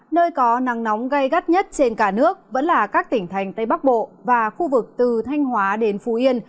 nơi có nắng nóng gây gắt nhất trên cả nước vẫn là các tỉnh thành tây bắc bộ và khu vực từ thanh hóa đến phú yên